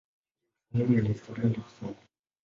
Yerusalemu ina historia ndefu sana.